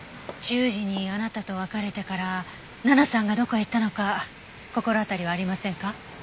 １０時にあなたと別れてから奈々さんがどこへ行ったのか心当たりはありませんか？